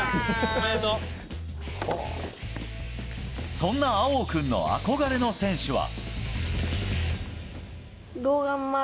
そんな葵央君の憧れの選手は。